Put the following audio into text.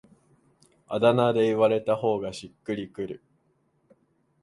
あだ名で言われた方がしっくりくる